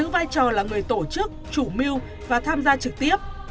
bà trở là người tổ chức chủ mưu và tham gia trực tiếp